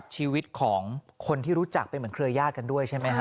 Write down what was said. ชีวิตของคนที่รู้จักเป็นเหมือนเครือยาศกันด้วยใช่ไหมฮะ